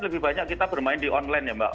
lebih banyak kita bermain di online ya mbak